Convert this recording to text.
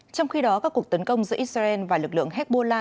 trong khi đó các cuộc tấn công giữa israel và lực lượng hezbollah